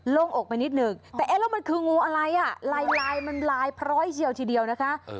่งอกไปนิดหนึ่งแต่เอ๊ะแล้วมันคืองูอะไรอ่ะลายลายมันลายพร้อยเชียวทีเดียวนะคะ